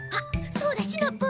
そうだシナプー！